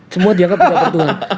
semua dianggap tidak bertuhan